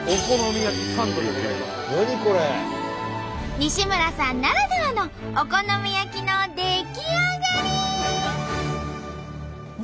西村さんならではのお好み焼きの出来上がり！